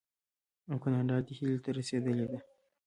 او کاناډا دې هیلې ته رسیدلې ده.